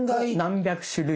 何百種類。